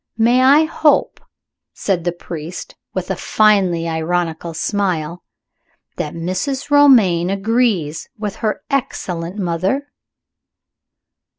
"May I hope," said the priest, with a finely ironical smile, "that Mrs. Romayne agrees with her excellent mother?"